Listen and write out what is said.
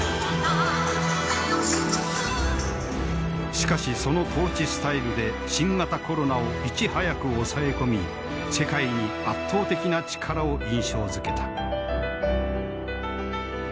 しかしその統治スタイルで新型コロナをいち早く抑え込み世界に圧倒的な力を印象づけた。